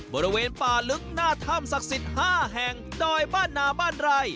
บริเวณป่าลึกหน้าถ้ำศักดิ์สิทธิ์๕แห่งดอยบ้านนาบ้านไร่